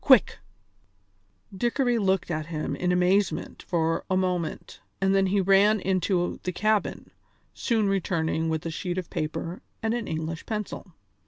Quick!" Dickory looked at him in amazement for a moment and then he ran into the cabin, soon returning with a sheet of paper and an English pencil.